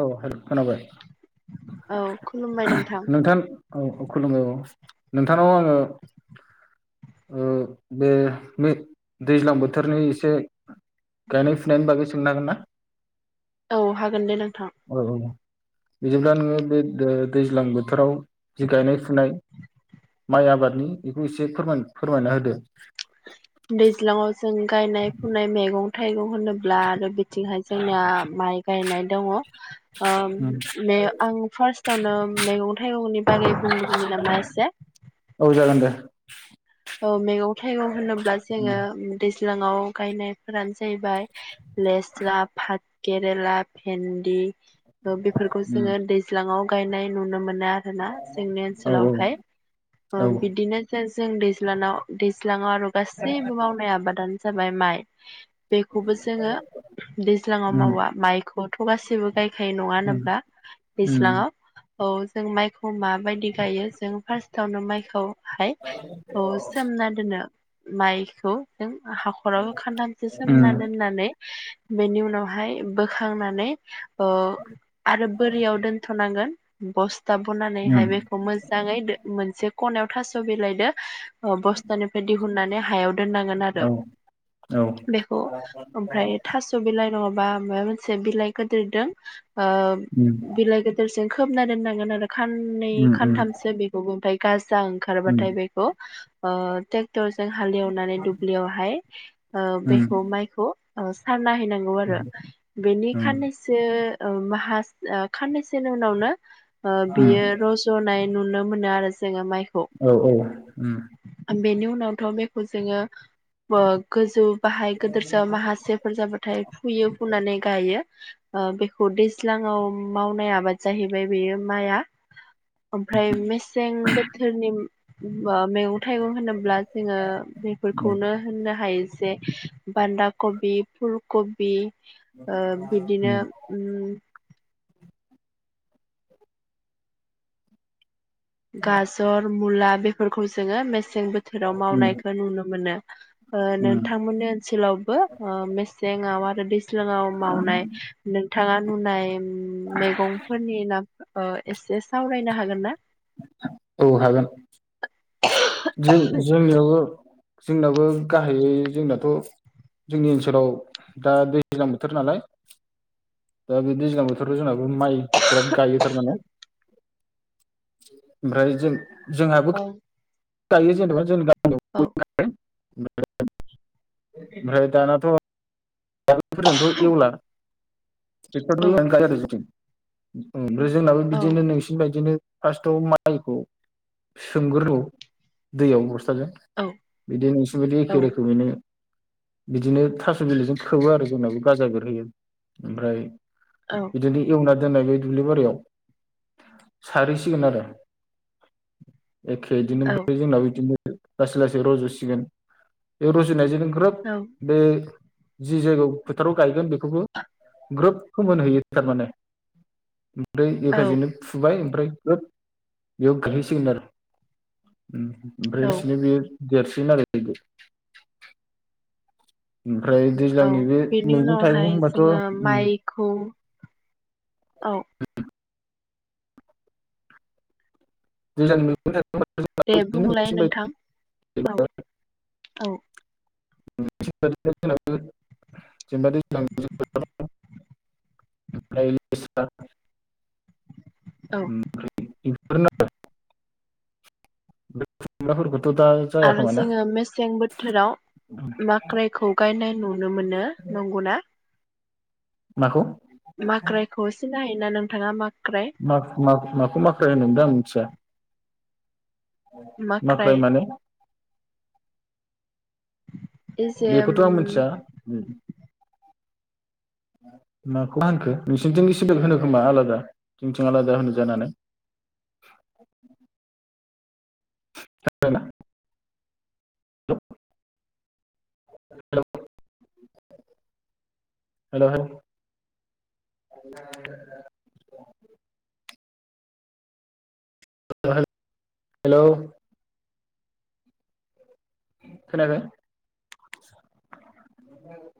औ हेल' खोनाबाय औ खुलुमबाय नोंथां औ औ खुलुमबाय औ नोंथांनाव आङो ओ बे दैज्लां बोथोरनि एसे गायनाय फुनायनि बागै सोंनो हागोन्ना औ हागोन दे नों औ औ बिदिब्ला नोङो बे ओ दैज्लां बोथोराव जि गायनाय फुनाय माइ आबादनि बेखौ एसे फोरमा फोरमायना होदो दैज्लांआव जों गायनाय फुनाय मेगं थाइगं होनोब्ला आरो बे बिथिंहाय जोंना माइ गायनाय दङ ओ उम बे आं फार्स्टावनो मैगं थाइगंनि बारै बुंगोनि नामा एसे औ जागोन दे औ मैगं थाइगं होनोब्ला उम जोङो दै सिगांव गायनायफोरानो जैबाय लेस्रा फान केरला भेन्दि ओ बेफोरखौ उम जोङो दैज्लाङाव गायनाय नुनो मोन ना आरोना जोंनि औ औ ओनसोलावहाय ओ औ बिदिनो जों जों दैज लानाव दैज लाङाव आरो गासैबो मावनाय आबादानो जाबाय माइ [inaudible] बेखौबो जोङो दैज्लाङाव उम मावा माइखौ थ'गासिबो गाय खाय नङा उम होनोब्ला उम दैज्लाङाव औ जों माइखौ माबायदि गायो जों फार्स्टावनो माइखौ खौ हाय अ सोमना दोनो माइखौ जों हाखराबो खान्थामसो सोमना दोननानै बेनि उनावहाय बोखांनानै ओ आरो बोरियाव दोनथ'नांगोन बस था बनानैहाय उम बेखौ मोजाङै दो मोनसे खनायाव थास' बिलाइदो अ बस्तानिफ्राय दिहुननानै हायाव दोननांगोन आरो औ औ बेखौ ओमफ्राय थास' बिलाइ नङाबा माबा मोनसे बिलाइखोदिरदों आ उम बिलाय गोदोर सो खोबना दोननांगोन आरो खाननै उम उम खानथामसो बेखौबो ओमफ्राय गाजा उम ओंखारबाथाय बे आ थेख थरजों हालेवनानै दुब्लियावहाय ओ उम बेखौ माइखौ औ साख नायहैनांगौ आरो बेनि उम खाननैसो औ माहास ओ खाननैसोनि उनावनो आ उम बियो रज'नाय नुनो मोनो आरो जोङो माइ औ औ। उ। बेनि उनावथ' बेखौ जोङो ब गोजौ बाहाय गोदोर सो माखासेफोर जाबाथाय फुयो फुनानै गायो आ बेखौ दैज्लाङाव मावनाय आबाद जाहैबाय बेयो माइआ ओमफ्राय मेसें बोथोरनि बा मैगं थाइगं होनोब्ला जोङो औ बेफोरखौनो होननो हायो जे बान्दा कबि फुलकबि ओ बिदिनो उम उ गाजर मुला फोरखौ जोङो मेस सें बोथोराव उम मावनायखौ नुनो मोनो ओ उम नोंथांमोननि ओनसोलावबो ओ मेसें आबाद दा बेस ज्लांआव मावनाय नों, थाङा नुनाय मेगंफोरनि नाम ओ एसे सावरायनो हागोन ना। औ हागोन। जों-जोंनियावबो जोंनाबो गाहायै जोंनाथ' जोंनि ओनसोलाव दा दैज्लां बोथोर नालाय ऐ़ दा बे दैज्लां बोथोर जोंना माइ बिराद गायो थारमाने ओमफ्राय जों जोंहाबो गायो जेनेबा जोंदा औ [unintelligible] ओमफ्राय दानाथ [unintelligible] एवला [unintelligible] उम ओमफ्राय जोंनाबो बिदिनो नोंसिनि बायदिनो फार्स्टआव माइखौ सोमगोर औ दैयाव बस [unintelligible] बिदि नोंसोरबायदि एखे औ-औ-औ-औ-औ-औ-औ-औ-औ-औ-औ रोखोमैनो बिदिनो थास' बिलाइजों खोबो आरो जोंनाबो गाजा बेरहोयो ओमफ्राय बिदिनो एवना दोननाय बै दुब्लि बारियाव सारहैसिगोन आरो एखे बिदिनो ओमफ्राय जोंनाबो बिदिनो लासै लासै रजसिगोन बे रजनायजों [unintelligible] बे जि जायगायाव फोथाराव गायगोन बेखौबो ग्रोब फोमोनहैयो थारमाने ओमफ्राय एफाजैनो फुबाय ओमफ्राय ग्रोब बेयाव गायहैसिगोन आरो ओमफ्राय [unintelligible] देरसिगोन आरो बिदि ओमफ्राय दैज्लांनि बे बेनि मैगं थाइगं उनावहाय होनबाथ' जोङो उम माइखौ औ दे बुंलाय नोंथां [unintelligible] औ-औ-औ [unintelligible] [unintelligible] [unintelligible] [unintelligible] [unintelligible] जाया आरो खोमाना जोङो मेसें बोथोराव माख्रायखौ गायनाय नुनो मोनो नंगौना माखौ माख्रायखौ एसे नाय नना नोंथाङा मा माखौ माख्र होनदों दां आं मिथिया माखाय माख्राय माने एजेम बेखौथ' आं मिथिया माखौ होनखो नोंसिथिंनि सिबिेल होनो खोमा आलादा जोंथिं आलादा होनो जानानै थना [unintelligible] हेल' हेल' ह [inaudible] हेल' खोनाख [unintelligible]